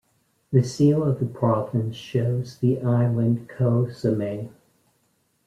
The seal of the province shows the island Ko Samet.